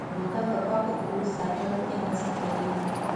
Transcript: بوتل د پاکو اوبو ساتلو کې مرسته کوي.